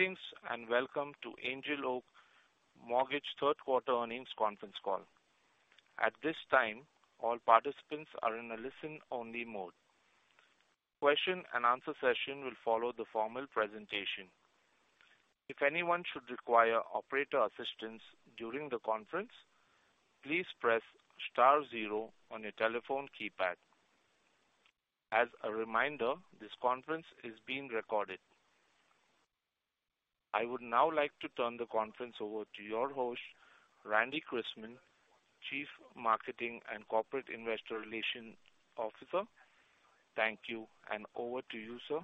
Greetings, and welcome to Angel Oak Mortgage third quarter earnings conference call. At this time, all participants are in a listen-only mode. Question and answer session will follow the formal presentation. If anyone should require operator assistance during the conference, please press star zero on your telephone keypad. As a reminder, this conference is being recorded. I would now like to turn the conference over to your host, Randy Chrisman, Chief Marketing and Corporate Investor Relations Officer. Thank you, and over to you, sir.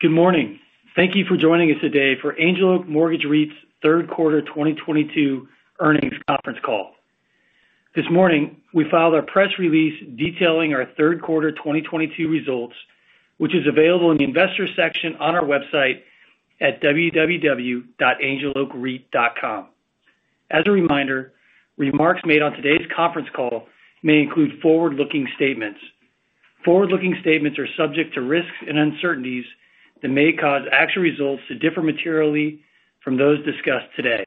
Good morning. Thank you for joining us today for Angel Oak Mortgage REIT's third quarter 2022 earnings conference call. This morning, we filed our press release detailing our third quarter 2022 results, which is available in the investor section on our website at www.angeloakreit.com. As a reminder, remarks made on today's conference call may include forward-looking statements. Forward-looking statements are subject to risks and uncertainties that may cause actual results to differ materially from those discussed today.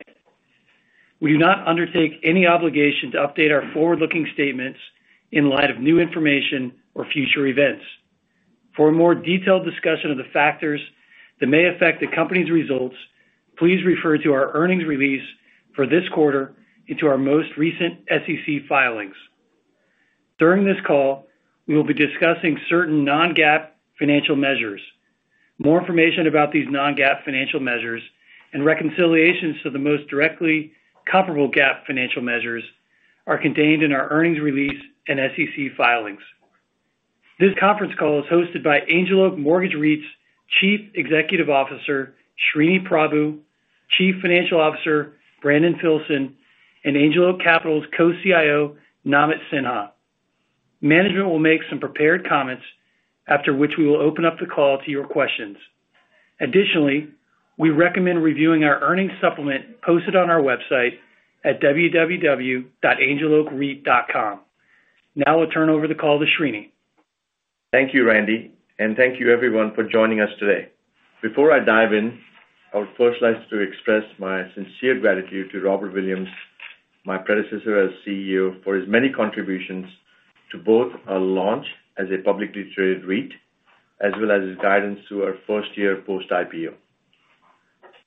We do not undertake any obligation to update our forward-looking statements in light of new information or future events. For a more detailed discussion of the factors that may affect the company's results, please refer to our earnings release for this quarter and to our most recent SEC filings. During this call, we will be discussing certain non-GAAP financial measures. More information about these non-GAAP financial measures and reconciliations to the most directly comparable GAAP financial measures are contained in our earnings release and SEC filings. This conference call is hosted by Angel Oak Mortgage REIT's Chief Executive Officer, Sreeni Prabhu, Chief Financial Officer, Brandon Filson, and Angel Oak Capital's Co-CIO, Namit Sinha. Management will make some prepared comments, after which we will open up the call to your questions. Additionally, we recommend reviewing our earnings supplement posted on our website at www.angeloakreit.com. Now I'll turn over the call to Sreeni. Thank you, Randy, and thank you everyone for joining us today. Before I dive in, I would first like to express my sincere gratitude to Robert Williams, my predecessor as CEO, for his many contributions to both our launch as a publicly traded REIT, as well as his guidance to our first-year post-IPO.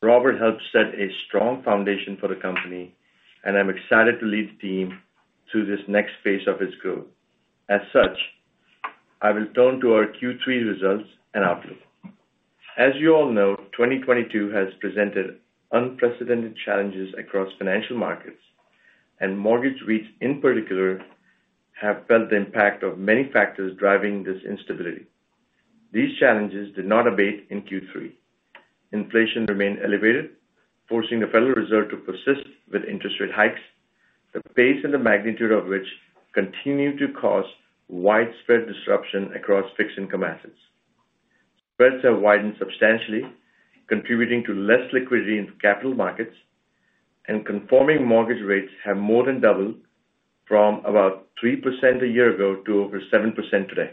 Robert helped set a strong foundation for the company, and I'm excited to lead the team through this next phase of its growth. As such, I will turn to our Q3 results and outlook. As you all know, 2022 has presented unprecedented challenges across financial markets, and mortgage REITs, in particular, have felt the impact of many factors driving this instability. These challenges did not abate in Q3. Inflation remained elevated, forcing the Federal Reserve to persist with interest rate hikes, the pace and the magnitude of which continued to cause widespread disruption across fixed income assets. Spreads have widened substantially, contributing to less liquidity in capital markets, and conforming mortgage rates have more than doubled from about 3% a year ago to over 7% today.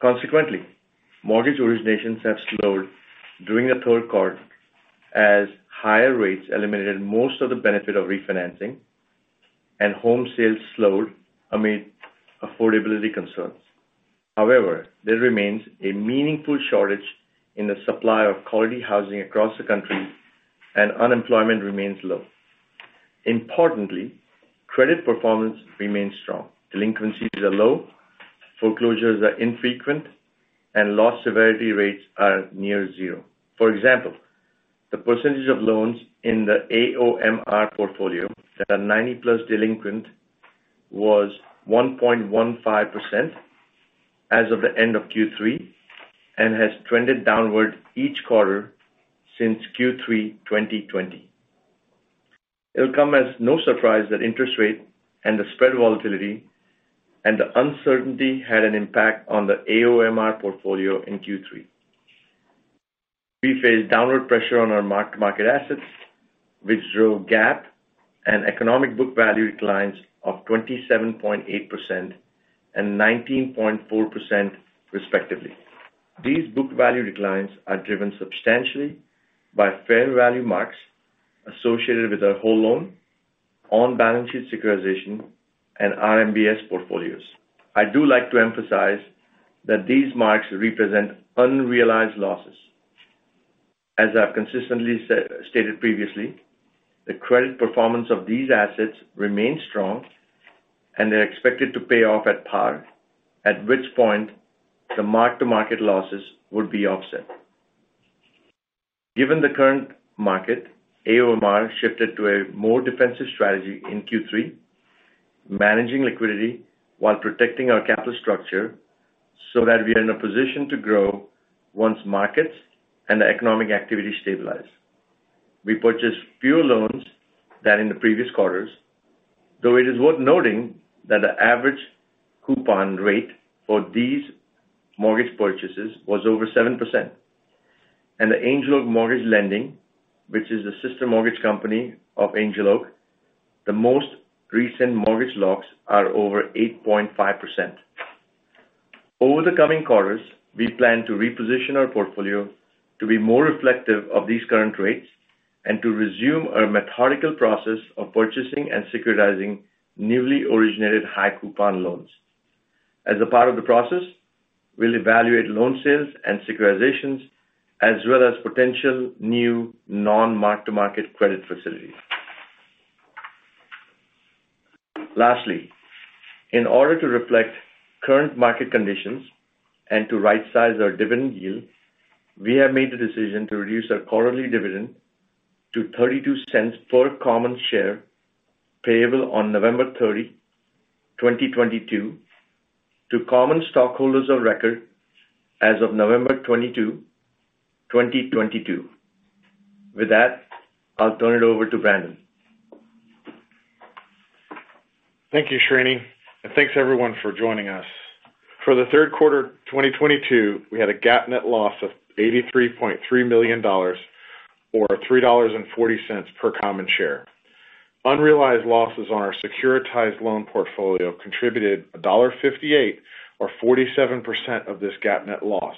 Consequently, mortgage originations have slowed during the third quarter as higher rates eliminated most of the benefit of refinancing and home sales slowed amid affordability concerns. However, there remains a meaningful shortage in the supply of quality housing across the country, and unemployment remains low. Importantly, credit performance remains strong. Delinquencies are low, foreclosures are infrequent, and loss severity rates are near zero. For example, the percentage of loans in the AOMR portfolio that are ninety-plus delinquent was 1.15% as of the end of Q3 and has trended downward each quarter since Q3 2020. It'll come as no surprise that interest rate and the spread volatility and the uncertainty had an impact on the AOMR portfolio in Q3. We faced downward pressure on our mark-to-market assets, which drove GAAP and economic book value declines of 27.8% and 19.4% respectively. These book value declines are driven substantially by fair value marks associated with our whole loan on balance sheet securitization and RMBS portfolios. I do like to emphasize that these marks represent unrealized losses. As I've consistently said, stated previously, the credit performance of these assets remains strong, and they're expected to pay off at par, at which point the mark-to-market losses would be offset. Given the current market, AOMR shifted to a more defensive strategy in Q3, managing liquidity while protecting our capital structure so that we are in a position to grow once markets and the economic activity stabilize. We purchased fewer loans than in the previous quarters, though it is worth noting that the average coupon rate for these mortgage purchases was over 7%. The Angel Oak Mortgage Lending, which is the sister mortgage company of Angel Oak, the most recent mortgage locks are over 8.5%. Over the coming quarters, we plan to reposition our portfolio to be more reflective of these current rates and to resume our methodical process of purchasing and securitizing newly originated high coupon loans. As a part of the process, we'll evaluate loan sales and securitizations as well as potential new non-mark-to-market credit facilities. Lastly, in order to reflect current market conditions and to rightsize our dividend yield, we have made the decision to reduce our quarterly dividend to $0.32 per common share payable on November 30, 2022, to common stockholders of record as of November 22, 2022. With that, I'll turn it over to Brandon. Thank you, Sreeni, and thanks everyone for joining us. For the third quarter 2022, we had a GAAP net loss of $83.3 million or $3.40 per common share. Unrealized losses on our securitized loan portfolio contributed $1.58, or 47% of this GAAP net loss.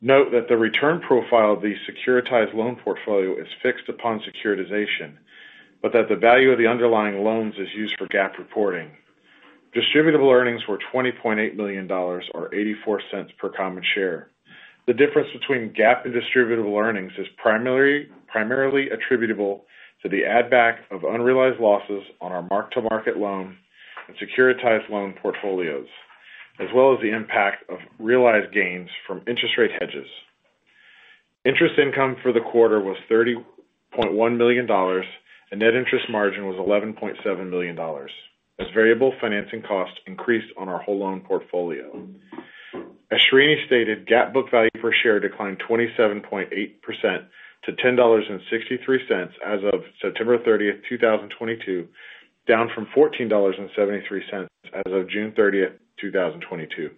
Note that the return profile of the securitized loan portfolio is fixed upon securitization, but that the value of the underlying loans is used for GAAP reporting. Distributable earnings were $20.8 million or $0.84 per common share. The difference between GAAP and distributable earnings is primarily attributable to the add back of unrealized losses on our mark-to-market loan and securitized loan portfolios, as well as the impact of realized gains from interest rate hedges. Interest income for the quarter was $30.1 million, and net interest margin was $11.7 million as variable financing costs increased on our whole loan portfolio. Srini stated, GAAP book value per share declined 27.8% to $10.63 as of September 30, 2022, down from $14.73 as of June 30, 2022.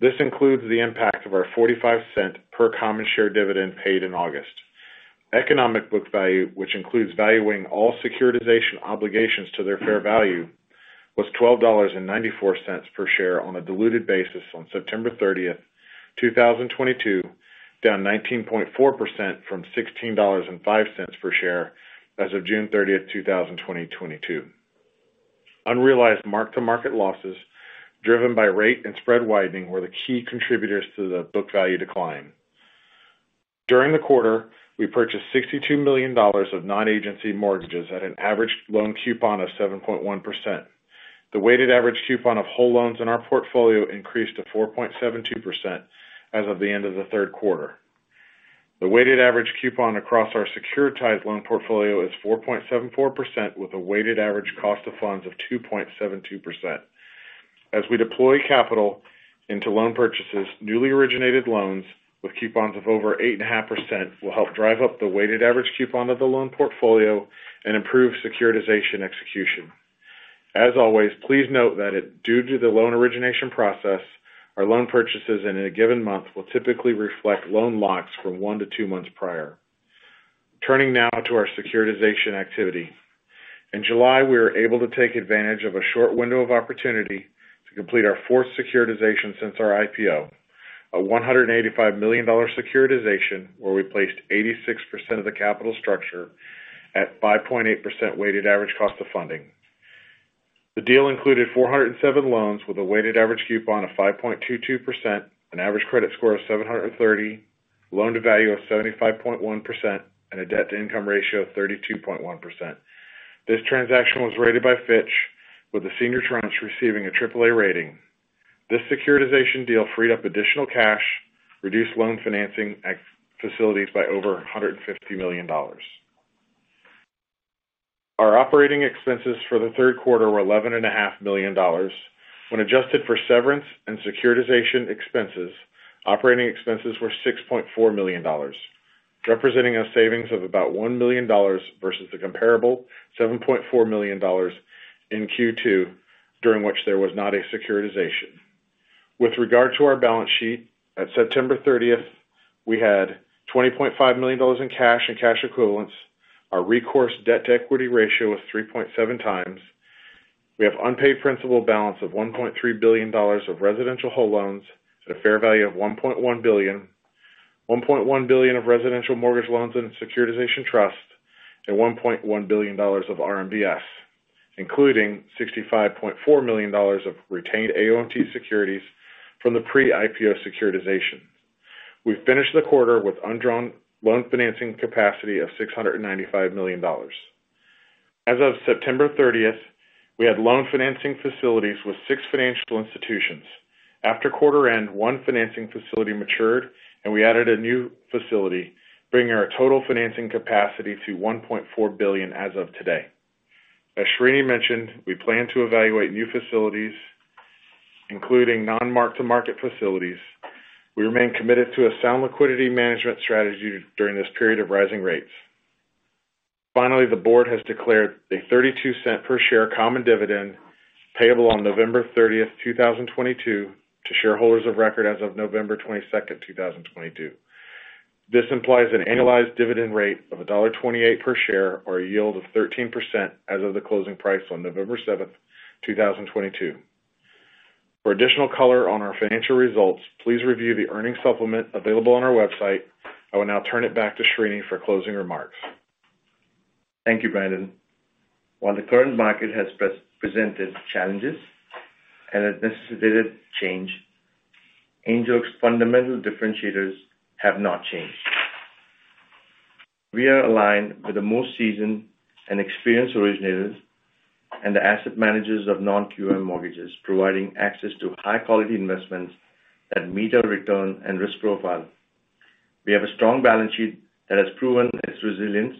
This includes the impact of our $0.45 per common share dividend paid in August. Economic book value, which includes valuing all securitization obligations to their fair value, was $12.94 per share on a diluted basis on September 30, 2022, down 19.4% from $16.05 per share as of June 30, 2022. Unrealized mark-to-market losses driven by rate and spread widening were the key contributors to the book value decline. During the quarter, we purchased $62 million of non-agency mortgages at an average loan coupon of 7.1%. The weighted average coupon of whole loans in our portfolio increased to 4.72% as of the end of the third quarter. The weighted average coupon across our securitized loan portfolio is 4.74%, with a weighted average cost of funds of 2.72%. As we deploy capital into loan purchases, newly originated loans with coupons of over 8.5% will help drive up the weighted average coupon of the loan portfolio and improve securitization execution. As always, please note that due to the loan origination process, our loan purchases in a given month will typically reflect loan locks from 1-2 months prior. Turning now to our securitization activity. In July, we were able to take advantage of a short window of opportunity to complete our fourth securitization since our IPO, a $185 million securitization, where we placed 86% of the capital structure at 5.8% weighted average cost of funding. The deal included 407 loans with a weighted average coupon of 5.22%, an average credit score of 730, loan to value of 75.1%, and a debt to income ratio of 32.1%. This transaction was rated by Fitch with the senior tranche receiving a AAA rating. This securitization deal freed up additional cash, reduced loan financing ex-facilities by over $150 million. Our operating expenses for the third quarter were $11.5 million. When adjusted for severance and securitization expenses, operating expenses were $6.4 million, representing a savings of about $1 million versus the comparable $7.4 million in Q2, during which there was not a securitization. With regard to our balance sheet, at September 30th, we had $20.5 million in cash and cash equivalents. Our recourse debt to equity ratio was 3.7x. We have unpaid principal balance of $1.3 billion of residential whole loans at a fair value of $1.1 billion, $1.1 billion of residential mortgage loans in a securitization trust, and $1.1 billion of RMBS, including $65.4 million of retained AOMT securities from the pre-IPO securitization. We finished the quarter with undrawn loan financing capacity of $695 million. As of September 30, we had loan financing facilities with six financial institutions. After quarter end, one financing facility matured, and we added a new facility, bringing our total financing capacity to $1.4 billion as of today. As Sreeni mentioned, we plan to evaluate new facilities, including non-mark-to-market facilities. We remain committed to a sound liquidity management strategy during this period of rising rates. Finally, the board has declared a $0.32 per share common dividend payable on November 30, 2022 to shareholders of record as of November 22, 2022. This implies an annualized dividend rate of $1.28 per share or a yield of 13% as of the closing price on November 7, 2022. For additional color on our financial results, please review the earnings supplement available on our website. I will now turn it back to Sreeni for closing remarks. Thank you, Brandon. While the current market has presented challenges and has necessitated change, Angel Oak's fundamental differentiators have not changed. We are aligned with the most seasoned and experienced originators and the asset managers of non-QM mortgages, providing access to high quality investments that meet our return and risk profile. We have a strong balance sheet that has proven its resilience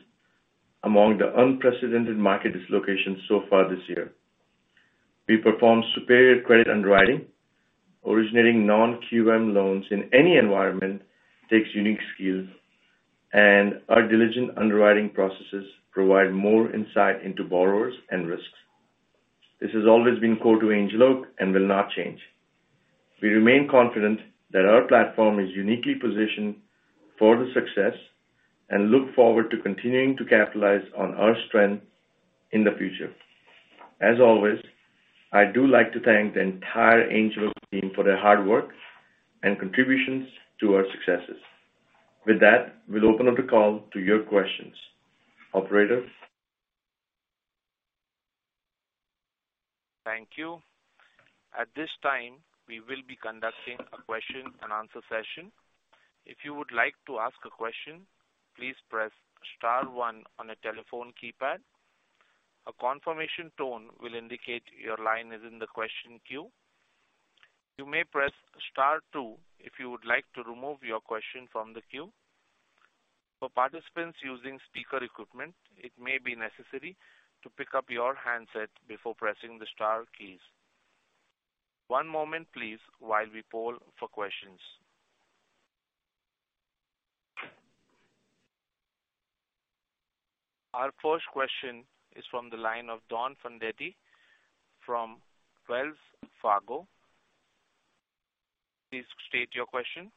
among the unprecedented market dislocations so far this year. We perform superior credit underwriting. Originating non-QM loans in any environment takes unique skills, and our diligent underwriting processes provide more insight into borrowers and risks. This has always been core to Angel Oak and will not change. We remain confident that our platform is uniquely positioned for the success and look forward to continuing to capitalize on our strength in the future. As always, I do like to thank the entire Angel Oak team for their hard work and contributions to our successes. With that, we'll open up the call to your questions. Operator? Thank you. At this time, we will be conducting a question and answer session. If you would like to ask a question, please press star one on your telephone keypad. A confirmation tone will indicate your line is in the question queue. You may press star two if you would like to remove your question from the queue. For participants using speaker equipment, it may be necessary to pick up your handset before pressing the star keys. One moment, please, while we poll for questions. Our first question is from the line of Donald Fandetti from Wells Fargo. Please state your question.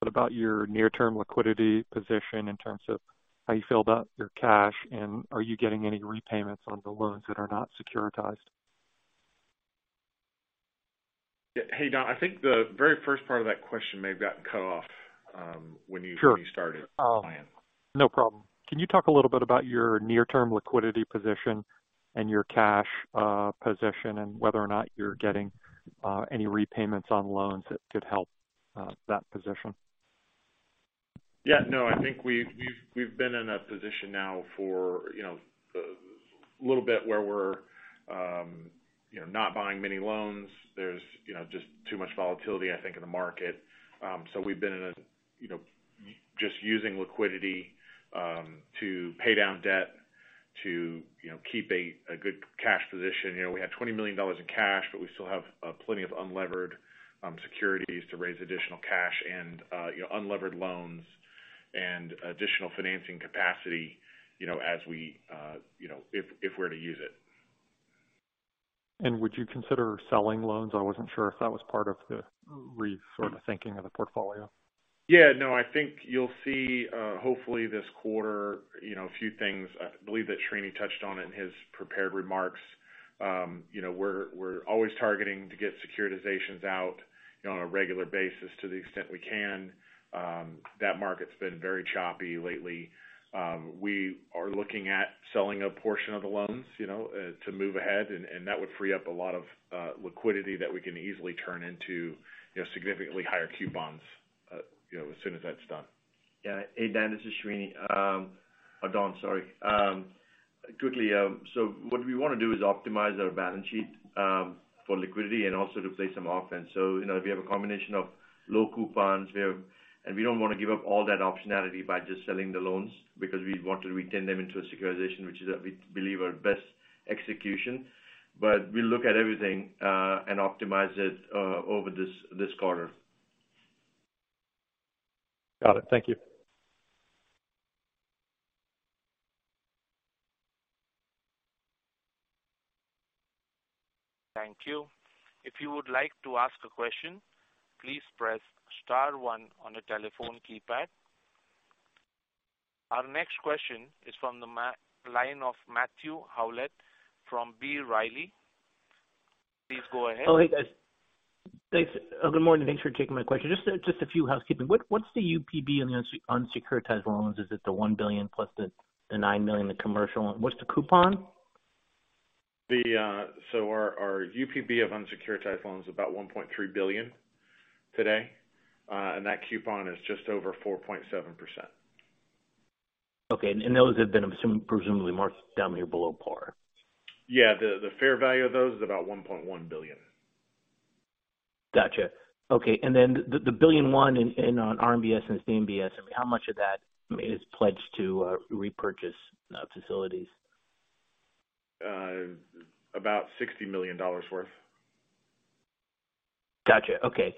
What about your near-term liquidity position in terms of how you filled up your cash, and are you getting any repayments on the loans that are not securitized? Yeah. Hey, Don, I think the very first part of that question may have gotten cut off, when you. Sure. when you started playing. No problem. Can you talk a little bit about your near-term liquidity position and your cash position, and whether or not you're getting any repayments on loans that could help that position? Yeah, no, I think we've been in a position now for, you know, a little bit where we're, you know, not buying many loans. There's, you know, just too much volatility, I think, in the market. So we've been in a, you know, just using liquidity to pay down debt to, you know, keep a good cash position. You know, we had $20 million in cash, but we still have plenty of unlevered securities to raise additional cash and, you know, unlevered loans and additional financing capacity, you know, as we, you know, if we're to use it. Would you consider selling loans? I wasn't sure if that was part of the sort of thinking of the portfolio. Yeah, no, I think you'll see, hopefully this quarter, you know, a few things. I believe that Sreeni touched on it in his prepared remarks. You know, we're always targeting to get securitizations out, you know, on a regular basis to the extent we can. That market's been very choppy lately. We are looking at selling a portion of the loans, you know, to move ahead, and that would free up a lot of liquidity that we can easily turn into, you know, significantly higher coupons, you know, as soon as that's done. Yeah. Hey, Don, this is Sreeni. Quickly, what we wanna do is optimize our balance sheet for liquidity and also to play some offense. You know, we have a combination of low coupons. We don't wanna give up all that optionality by just selling the loans because we want to retain them into a securitization, which is, we believe, our best execution. We look at everything and optimize it over this quarter. Got it. Thank you. Thank you. If you would like to ask a question, please press star one on your telephone keypad. Our next question is from the line of Matthew Howlett from B. Riley. Please go ahead. Oh, hey, guys. Thanks. Good morning. Thanks for taking my question. Just a few housekeeping. What's the UPB on the unsecuritized loans? Is it the $1 billion plus the $9 million, the commercial? What's the coupon? Our UPB of unsecuritized loans is about $1.3 billion today. That coupon is just over 4.7%. Okay. Those have been presumably marked down below par. Yeah. The fair value of those is about $1.1 billion. Gotcha. Okay. The $1 billion in RMBS and CMBS, I mean, how much of that is pledged to repurchase facilities? About $60 million worth. Gotcha. Okay.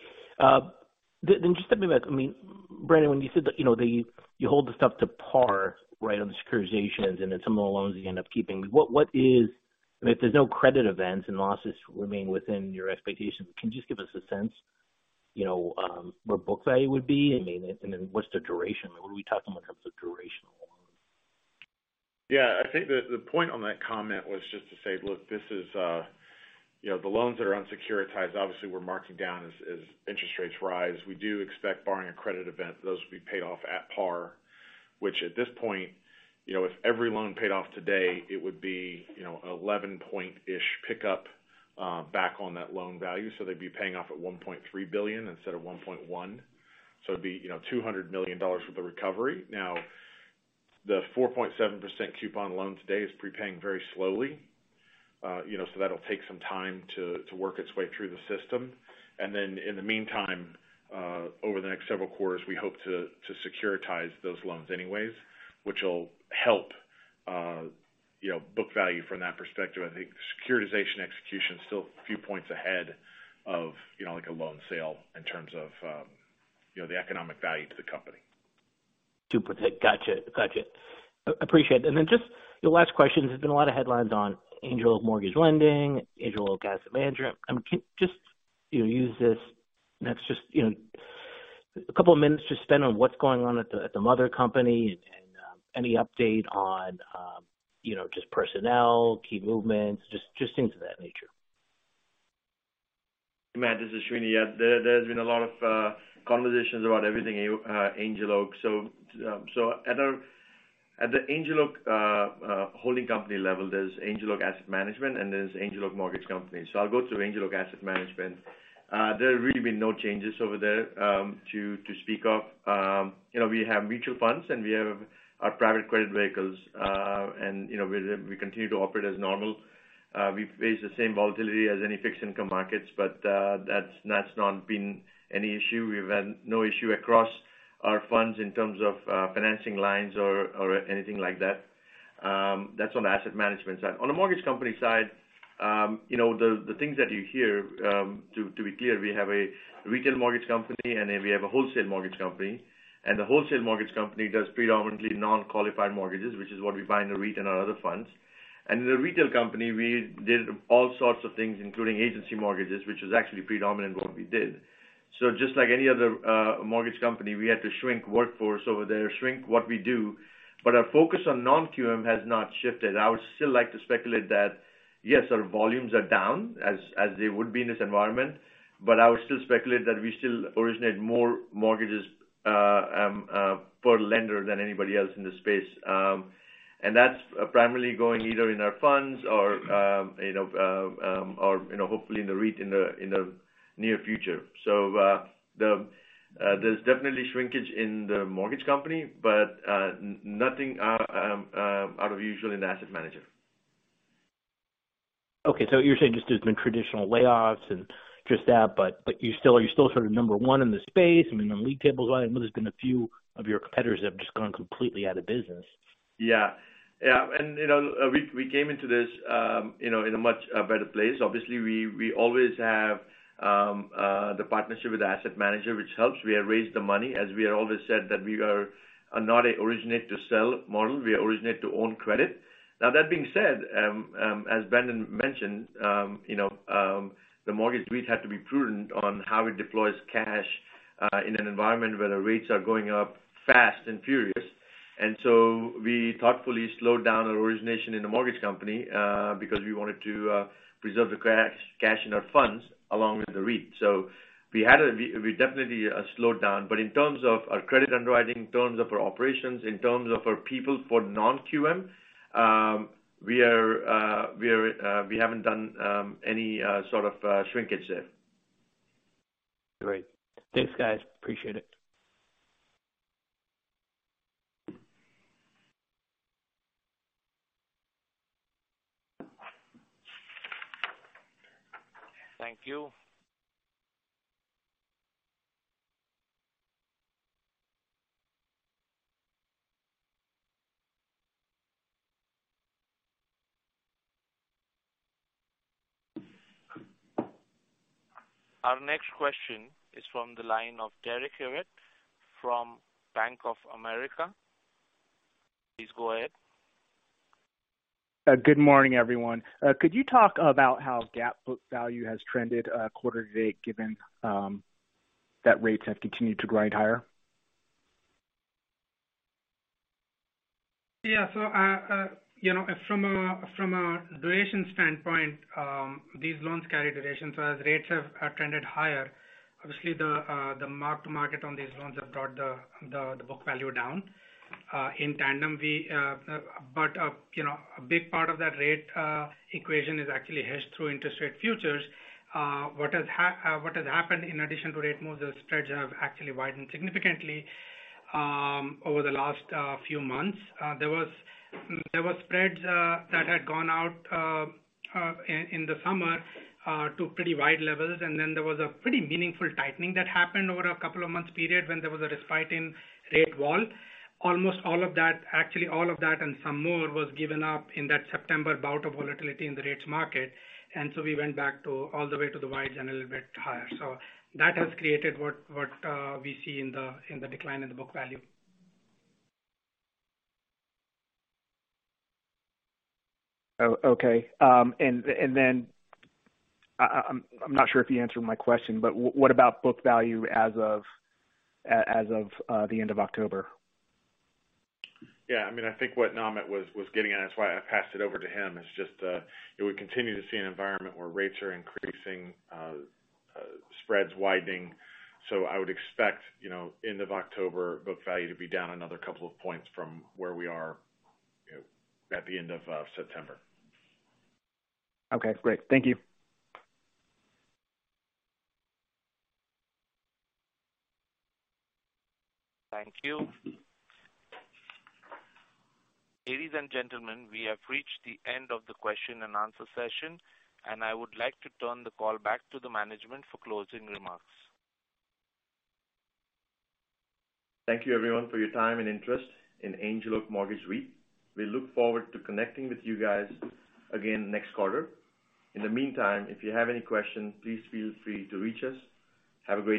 Then just stepping back. I mean, Brandon, when you said that, you know, that you hold the stuff to par, right, on the securitizations and then some of the loans you end up keeping. If there's no credit events and losses remain within your expectations, can you just give us a sense, you know, where book value would be? I mean, then what's the duration? What are we talking in terms of duration? Yeah. I think the point on that comment was just to say, look, this is, you know, the loans that are unsecuritized, obviously we're marking down as interest rates rise. We do expect barring a credit event, those will be paid off at par, which at this point, you know, if every loan paid off today, it would be, you know, 11-point-ish pickup back on that loan value. So they'd be paying off at $1.3 billion instead of $1.1. So it'd be, you know, $200 million with the recovery. Now, the 4.7% coupon loan today is prepaying very slowly. You know, so that'll take some time to work its way through the system. In the meantime, over the next several quarters, we hope to securitize those loans anyways, which will help, you know, book value from that perspective. I think securitization execution is still a few points ahead of, you know, like a loan sale in terms of, the economic value to the company. Gotcha. Appreciate it. Then just the last question, there's been a lot of headlines on Angel Oak Mortgage Lending, Angel Oak Asset Management. I mean, just, you know, use this next just, you know, a couple of minutes to spend on what's going on at the mother company and, you know, just personnel, key movements, just things of that nature. Matt, this is Sreeni. Yeah, there has been a lot of conversations about everything Angel Oak. At the Angel Oak holding company level, there is Angel Oak Asset Management and there is Angel Oak Mortgage Company. I'll go through Angel Oak Asset Management. There have really been no changes over there to speak of. You know, we have mutual funds and we have our private credit vehicles. You know, we continue to operate as normal. We face the same volatility as any fixed income markets, but that's not been any issue. We've had no issue across our funds in terms of financing lines or anything like that. That's on the asset management side. On the mortgage company side, you know, the things that you hear, to be clear, we have a retail mortgage company and we have a wholesale mortgage company. The wholesale mortgage company does predominantly non-qualified mortgages, which is what we buy in the REIT and our other funds. In the retail company, we did all sorts of things, including agency mortgages, which is actually predominant what we did. Just like any other mortgage company, we had to shrink workforce over there, shrink what we do. Our focus on non-QM has not shifted. I would still like to speculate that, yes, our volumes are down as they would be in this environment, but I would still speculate that we still originate more mortgages per lender than anybody else in the space. That's primarily going either in our funds or, you know, hopefully in the REIT in the near future. There's definitely shrinkage in the mortgage company, but nothing out of usual in asset manager. Okay. You're saying just there's been traditional layoffs and just that, but you still are, you're still sort of number one in the space, I mean, on the league tables. I know there's been a few of your competitors that have just gone completely out of business. Yeah. Yeah. You know, we came into this, you know, in a much better place. Obviously, we always have the partnership with the asset manager, which helps. We have raised the money as we have always said that we are not a originate to sell model, we originate to own credit. Now that being said, as Brandon mentioned, you know, the mortgage REIT had to be prudent on how it deploys cash in an environment where the rates are going up fast and furious. We thoughtfully slowed down our origination in the mortgage company because we wanted to preserve the cash in our funds along with the REIT. We definitely slowed down. In terms of our credit underwriting, in terms of our operations, in terms of our people for non-QM, we are. We haven't done any sort of shrinkage there. Great. Thanks, guys. Appreciate it. Thank you. Our next question is from the line of Derek Hewett from Bank of America. Please go ahead. Good morning, everyone. Could you talk about how GAAP book value has trended quarter to date, given that rates have continued to grind higher? Yeah. You know, from a duration standpoint, these loans carry duration. As rates have trended higher, obviously the mark-to-market on these loans have brought the book value down. In tandem, you know, a big part of that rate equation is actually hedged through interest rate futures. What has happened in addition to rate moves, the spreads have actually widened significantly over the last few months. There was spreads that had gone out in the summer to pretty wide levels. Then there was a pretty meaningful tightening that happened over a couple of months period when there was a respite in rate vol. Almost all of that, actually, all of that and some more was given up in that September bout of volatility in the rates market. We went back all the way to the wide general rate higher. That has created what we see in the decline in the book value. Okay. I'm not sure if you answered my question, but what about book value as of the end of October? Yeah. I mean, I think what Namit was getting at, that's why I passed it over to him, is just we continue to see an environment where rates are increasing, spreads widening. I would expect, you know, end of October book value to be down another couple of points from where we are, you know, at the end of September. Okay, great. Thank you. Thank you. Ladies and gentlemen, we have reached the end of the question and answer session, and I would like to turn the call back to the management for closing remarks. Thank you everyone for your time and interest in Angel Oak Mortgage REIT. We look forward to connecting with you guys again next quarter. In the meantime, if you have any questions, please feel free to reach us. Have a great day.